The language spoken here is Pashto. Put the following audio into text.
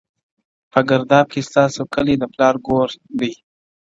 • په ګرداب کی ستاسي کلی د پلار ګور دی -